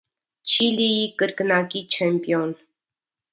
Չիլիի կրկնակի չեմպիոն։